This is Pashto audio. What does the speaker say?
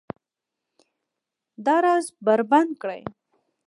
دا راز بربنډ کړي